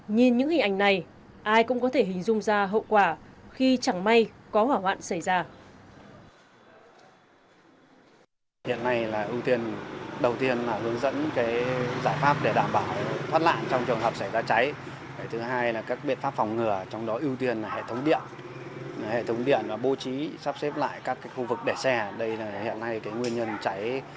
nhìn những hình ảnh này ai cũng có thể hình dung ra hậu quả khi chẳng may có hỏa hoạn xảy ra